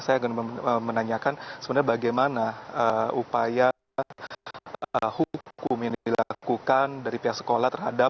saya akan menanyakan sebenarnya bagaimana upaya hukum yang dilakukan dari pihak sekolah terhadap